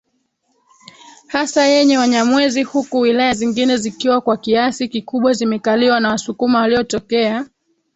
hasa yenye Wanyamwezi huku wilaya zingine zikiwa kwa kiasi kikubwa zimekaliwa na wasukuma waliotokea